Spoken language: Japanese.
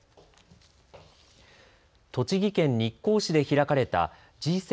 栃木県日光市で開かれたＧ７